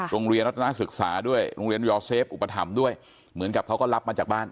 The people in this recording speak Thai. รัฐนาศึกษาด้วยโรงเรียนยอเซฟอุปถัมภ์ด้วยเหมือนกับเขาก็รับมาจากบ้าน